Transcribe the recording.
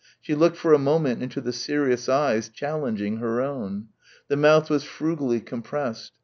She looked for a moment into the serious eyes challenging her own. The mouth was frugally compressed.